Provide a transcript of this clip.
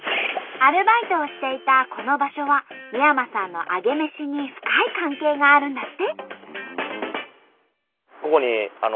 アルバイトをしていたこの場所は三山さんのアゲメシに深い関係があるんだって。